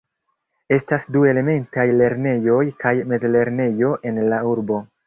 Estas du elementaj lernejoj kaj mezlernejo en la urbo.